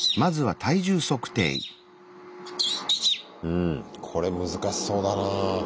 うんこれ難しそうだなぁ。